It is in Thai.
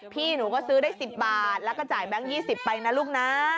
พี่หนูก็ซื้อได้๑๐บาทแล้วก็จ่ายแบงค์๒๐ไปนะลูกนะ